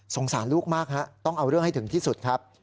สารลูกมากฮะต้องเอาเรื่องให้ถึงที่สุดครับ